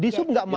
di sup nggak mau